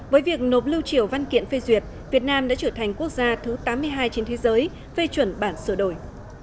với việc nộp lưu triểu văn kiện phê duyệt việt nam đã trở thành quốc gia thứ tám mươi hai trên thế giới phê chuẩn bản sửa đổi